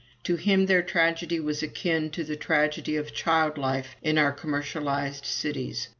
To him their tragedy was akin to the tragedy of child life in our commercialized cities.